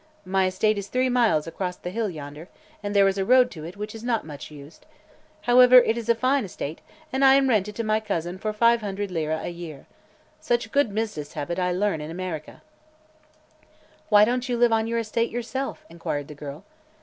My estate is three miles across the hill, yonder, and there is a road to it which is not much used. However, it is a fine estate, an' I am rent it to my cousin for five hundred lira a year. Such good business habit I learn in America." "Why don't you live on your estate yourself?" inquired the girl.